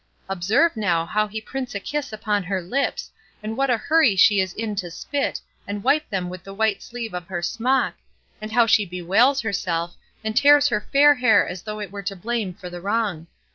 Observe now how he prints a kiss upon her lips, and what a hurry she is in to spit, and wipe them with the white sleeve of her smock, and how she bewails herself, and tears her fair hair as though it were to blame for the wrong.